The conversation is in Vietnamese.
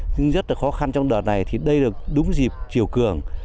nhưng rất là khó khăn trong đợt này thì đây là đúng dịp chiều cường